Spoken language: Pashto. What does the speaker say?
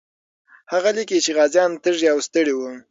هغه لیکي چې غازیان تږي او ستړي وو.